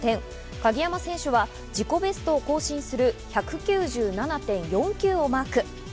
鍵山選手は自己ベストを更新する１９７．４９をマーク。